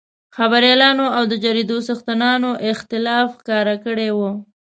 خبریالانو او د جرایدو څښتنانو اختلاف ښکاره کړی وو.